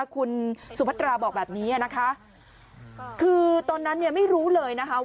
คุณสุพัตราบอกแบบนี้นะคะคือตอนนั้นเนี่ยไม่รู้เลยนะคะ